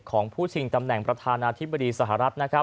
ของผู้ชิงตำแหน่งประธานาธิบดีสหรัฐ